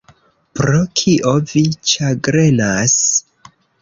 Pro kio vi ĉagrenas?